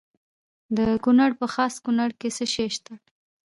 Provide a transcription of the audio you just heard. د کونړ په خاص کونړ کې څه شی شته؟